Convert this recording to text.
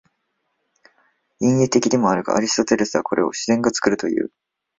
隠喩的でもあるが、アリストテレスはこれを「自然が作る」という。